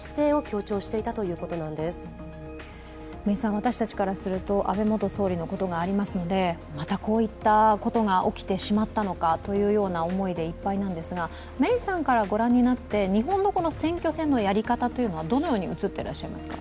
私たちからすると、安倍元総理のことがありますので、またこういったことが起きてしまったのかという思いでいっぱいなんですが、メイさんからご覧になって、日本の選挙戦のやり方はどのように映っていらっしゃいますか。